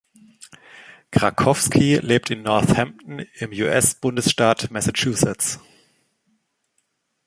Krakowski lebt in Northampton im US-Bundesstaat Massachusetts.